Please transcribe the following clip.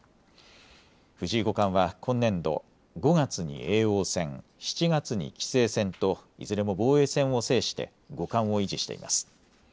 藤井五冠は今年度５月に叡王戦、７月に棋聖戦といずれも防衛戦を制して五冠を維持しています。